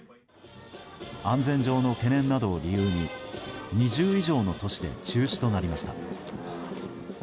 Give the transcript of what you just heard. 安全上の懸念などを理由に２０以上の都市で中止となりました。